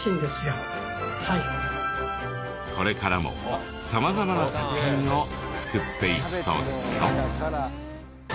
これからも様々な作品を作っていくそうですよ。